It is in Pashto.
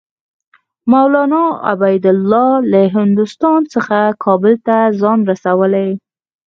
مولنا عبیدالله له هندوستان څخه کابل ته ځان رسولی.